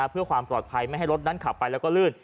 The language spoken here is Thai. เพื่อความปลอดภัยไม่ให้รถนั้นขับไปแล้วก็ลื่น